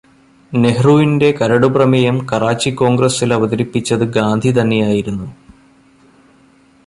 നെഹ്രുവിന്റെ കരടു പ്രമേയം കറാച്ചി കോണ്ഗ്രസില് അവതരിപ്പിച്ചത് ഗാന്ധി തന്നെയായിരുന്നു.